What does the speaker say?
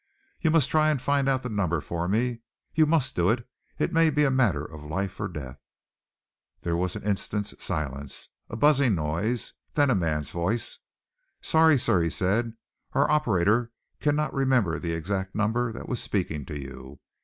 You must try and find out the number for me. You must do it! It may be a matter of life or death!" There was an instant's silence a buzzing noise then a man's voice. "Sorry, sir," he said, "our operator cannot remember the exact number that was speaking to you.